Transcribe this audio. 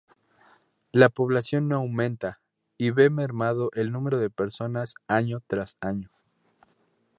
La población no aumenta y ve mermado el número de personas año tras año.